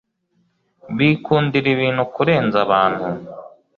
bikundira ibintu kurenza abantu .